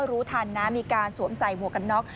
รู้ทันนะมีการสวมใส่หมวกกันน็อก